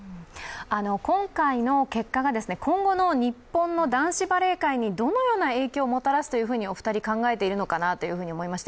今回の結果が今後の日本の男子バレー界にどのような影響をもたらすとお二人、考えているのかなと思います。